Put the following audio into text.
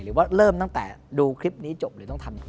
หรือว่าเริ่มตั้งแต่ดูคลิปนี้จบหรือต้องทำยังไง